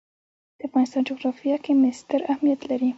د افغانستان جغرافیه کې مس ستر اهمیت لري.